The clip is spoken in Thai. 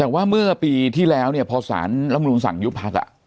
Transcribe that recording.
แต่ว่าเมื่อปีที่แล้วเนี่ยพอสารรัฐมนุนสั่งยุบพัก